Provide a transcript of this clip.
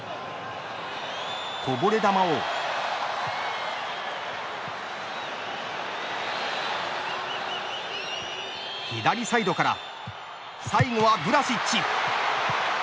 こぼれ球を左サイドから最後はブラシッチ！